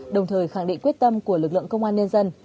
đồng thời khẳng định quyết tâm của lực lượng công an nhân dân